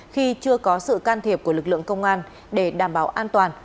khi chưa có sự can thiệp của lực lượng công an để đảm bảo an toàn